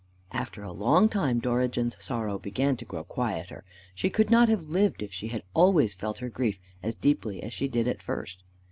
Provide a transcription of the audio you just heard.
After a long time Dorigen's sorrow began to grow quieter. She could not have lived if she had always felt her grief as deeply as she did at first.